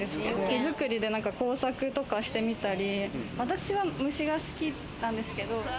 手づくりで工作とかしてみたり、私は虫が好きなんですけど。